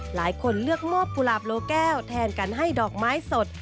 หลายคนเลือกมอบกุหลาบโลแก้วแทนกันให้ดอกไม้สด